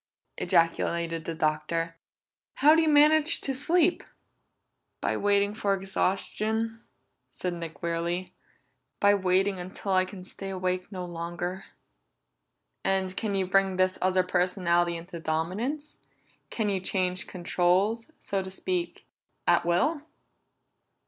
ejaculated the Doctor. "How do you manage to sleep?" "By waiting for exhaustion," said Nick wearily. "By waiting until I can stay awake no longer." "And can you bring this other personality into dominance? Can you change controls, so to speak, at will?"